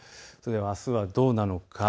あすはどうなのか。